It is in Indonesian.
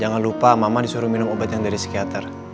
jangan lupa mama disuruh minum obat yang dari psikiater